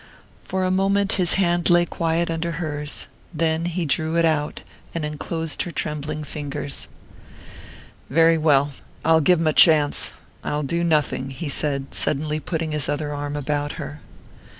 For a moment his hand lay quiet under hers; then he drew it out, and enclosed her trembling fingers. "Very well I'll give him a chance I'll do nothing," he said, suddenly putting his other arm about her.